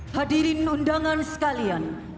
hadirin undangan sekalian